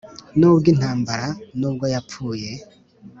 nubwo intambara, nubwo yapfuye,